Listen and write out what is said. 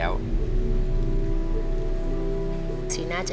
ขอบคุณครับ